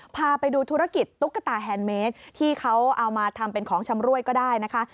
พาไปดูธุรกิจตุ๊กตาแฮนด์เมดที่เขาเอามาทำเป็นของชำรวยก็ได้นะคะ